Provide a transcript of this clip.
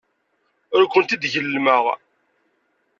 Ur kent-id-gellmeɣ.